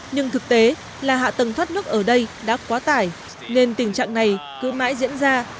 nhưng thực tế là hạ tầng thoát nước ở đây đã quá tải nên tình trạng này cứ mãi diễn ra